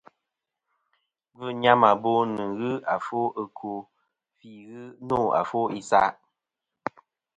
Gvɨ̂ nyàmàbo nɨn ghɨ àfo ɨkwo fî ghɨ nô àfo isaʼ.